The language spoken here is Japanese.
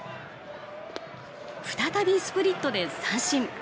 再びスプリットで三振。